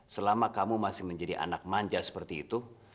selama kamu masih menjadi anak manja seperti itu